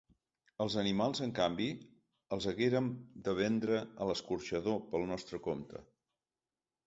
Els animals, en canvi, els haguérem de vendre a l’escorxador pel nostre compte.